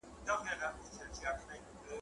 که دي خپل عیبونه لري کړه له ځانه